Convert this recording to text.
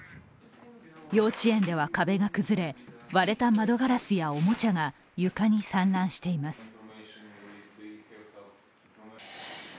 幼稚園では壁が崩れ、割れた窓ガラスやおもちゃが床に散乱しています。